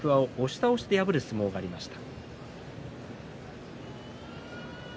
大奄美は初日に天空海を押し倒しで破る相撲がありました。